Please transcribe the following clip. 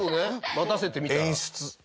待たせてみたら？